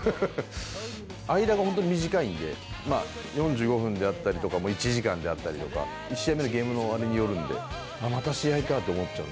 間が本当に短いんで、４５分であったりとか、１時間であったりとか、１試合目のゲームの終わりによるんで、また試合かと思っちゃう。